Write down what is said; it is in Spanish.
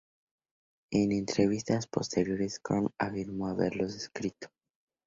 En entrevistas posteriores Crow afirmó haberlos escrito.